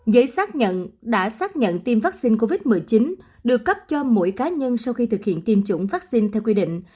giấy xác nhận đã xác nhận tiêm vaccine covid một mươi chín được cấp cho mỗi cá nhân sau khi thực hiện tiêm chủng vaccine theo quy định